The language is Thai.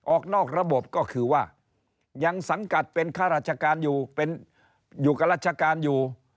ออกนอกระบบก็คือว่ายังสังกัดเป็นข้าราชการอยู่เป็นอยู่กับราชการอยู่